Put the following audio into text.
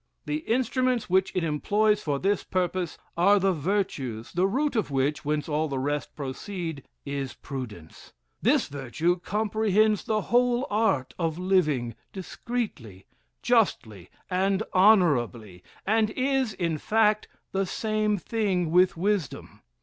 The instruments which it employs for this purpose are the virtues; the root of which, whence all the rest proceed, is prudence. This virtue comprehends the whole art of living discreetly, justly, and honorably, and is, in fact, the same thing with wisdom.